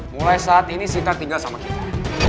mulai saat ini kita tinggal sama kita